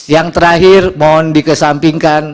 yang terakhir mohon dikesampingkan